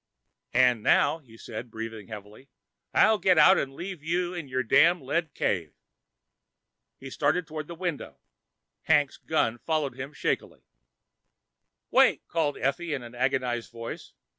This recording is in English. "And now," he said, breathing heavily, "I'll get out and leave you in your damned lead cave." He started toward the window. Hank's gun followed him shakingly. "Wait!" Effie called in an agonized voice.